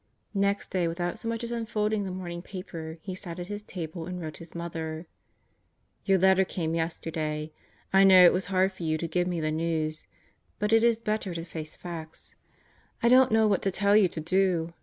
Next day, without so much as unfolding the morning paper he sat at his table and wrote his mother: Your letter came yesterday. I know it was hard for you to give me the news, but ijs better to face facts. I don't know what to tell you to do.